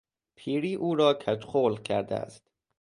پیری او را کج خلق کرده است.